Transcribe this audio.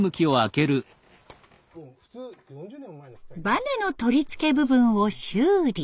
バネの取り付け部分を修理。